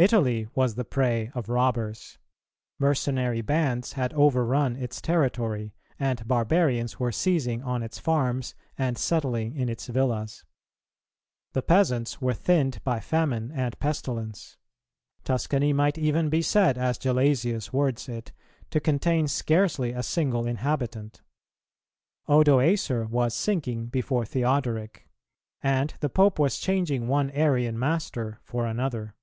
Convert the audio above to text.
Italy was the prey of robbers; mercenary bands had overrun its territory, and barbarians were seizing on its farms and settling in its villas. The peasants were thinned by famine and pestilence; Tuscany might be even said, as Gelasius words it, to contain scarcely a single inhabitant.[320:1] Odoacer was sinking before Theodoric, and the Pope was changing one Arian master for another.